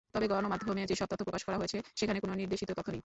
তবে গণমাধ্যমে যেসব তথ্য প্রকাশ করা হয়েছে, সেখানে কোনো নির্দেশিত তথ্য নেই।